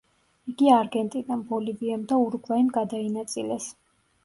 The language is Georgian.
იგი არგენტინამ, ბოლივიამ და ურუგვაიმ გადაინაწილეს.